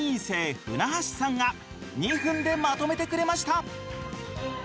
生ふなはしさんが２分でまとめてくれました！